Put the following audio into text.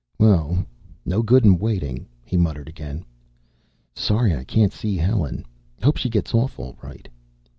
"Well, no good in waiting," he muttered again. "Sorry I can't see Helen. Hope she gets off all right."